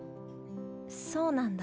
そうなんだ。